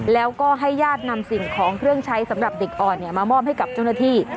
แล้วก็ให้ญาตินำสิ่งของเครื่องใช้สำหรับเด็กอ่อนมามอบให้กับเจ้าหน้าที่